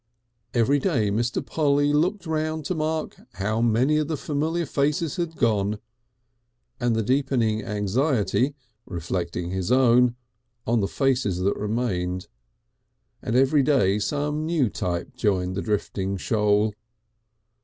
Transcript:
Every day Mr. Polly looked round to mark how many of the familiar faces had gone, and the deepening anxiety (reflecting his own) on the faces that remained, and every day some new type joined the drifting shoal.